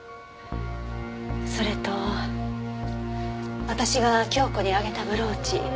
それと私が京子にあげたブローチ。